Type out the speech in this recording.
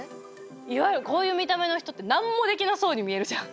いわゆるこういう見た目の人って何もできなそうに見えるじゃん。